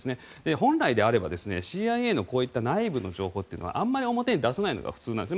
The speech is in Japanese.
本来であればＣＩＡのこういった内部の情報というのはあまり表に出さないのが普通なんですね。